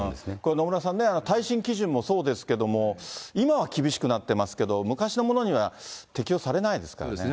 野村さん、耐震基準もそうですけども、今は厳しくなってますけど、昔のものには適用されないですからね。